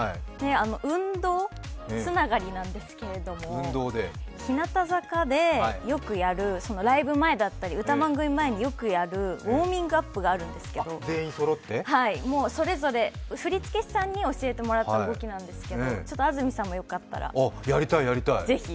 運動つながりなんですけれども、日向坂でよくやる、ライブ前だったり、歌番組前によくやるウォーミングアップがあるんですけどもうそれぞれ振り付け師さんに教えてもらった動きなんですけど安住さんもよかったら、ぜひ。